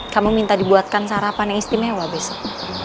kamu minta dibuatkan sarapan yang istimewa besok